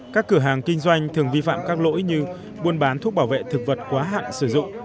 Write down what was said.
các cửa hàng kinh doanh thường vi phạm các lỗi như buôn bán thuốc bảo vệ thực vật quá hạn sử dụng